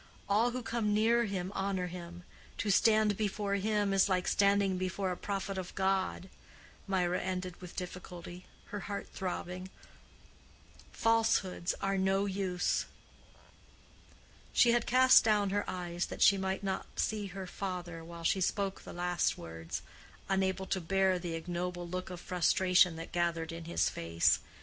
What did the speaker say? All who come near him honor him. To stand before him is like standing before a prophet of God"—Mirah ended with difficulty, her heart throbbing—"falsehoods are no use." She had cast down her eyes that she might not see her father while she spoke the last words—unable to bear the ignoble look of frustration that gathered in his face.